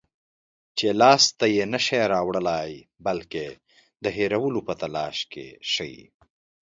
چې لاس ته یې نشی راوړلای، بلکې د هېرولو په تلاش کې شئ